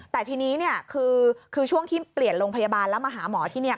แต่ทีนี้เนี่ยคือช่วงที่เปลี่ยนโรงพยาบาลแล้วมาหาหมอที่นี่